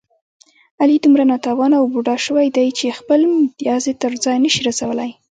علي دومره ناتوانه و بوډا شوی دی، چې خپل متیازې تر ځایه نشي رسولی.